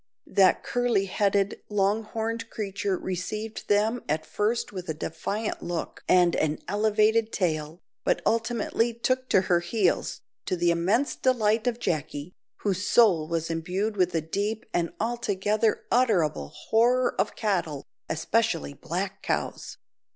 That curly headed, long horned creature received them at first with a defiant look and an elevated tail, but ultimately took to her heels, to the immense delight of Jacky, whose soul was imbued with a deep and altogether unutterable horror of cattle, especially black cows.